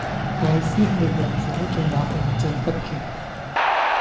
大師兄嘅慾火再也控制不住